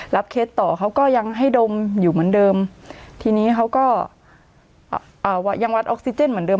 เคสต่อเขาก็ยังให้ดมอยู่เหมือนเดิมทีนี้เขาก็ยังวัดออกซิเจนเหมือนเดิ